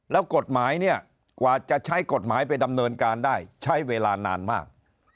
แล้วกฎหมายเนี่ยกว่าจะใช้กฎหมายไปดำเนินการได้ใช้เวลานานมาก